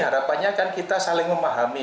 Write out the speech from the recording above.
harapannya kan kita saling memahami